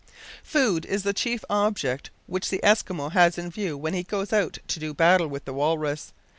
Food is the chief object which the Eskimo has in view when he goes out to do battle with the walrus.